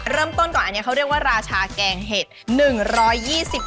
เริ่มต้นก่อนอันนี้เขาเรียกว่าราชาแกงเห็ด๑๒๐บาท